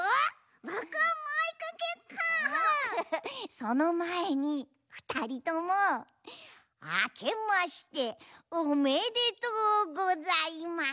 そのまえにふたりともあけましておめでとうございます！